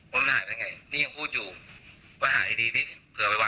ไม่มีไม่จริงอะครับผมยังไม่เจอหน้าเขายังไม่เจอเขาเลยครับ